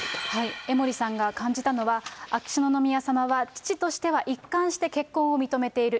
江森さんが感じたのは、秋篠宮さまは父としては一貫して結婚を認めている。